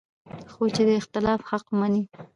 خو چې د اختلاف حق مني